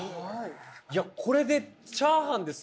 いやこれでチャーハンですか？